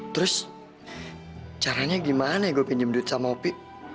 terus caranya gimana gue pinjem duit sama opi